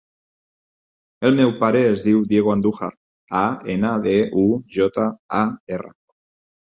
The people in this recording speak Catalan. El meu pare es diu Diego Andujar: a, ena, de, u, jota, a, erra.